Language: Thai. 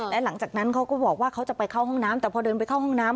และหลังจากนั้นเขาก็บอกว่าเขาจะไปเข้าห้องน้ำแต่พอเดินไปเข้าห้องน้ำ